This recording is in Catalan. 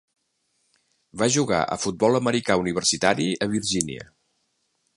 Va jugar a futbol americà universitari a Virgínia.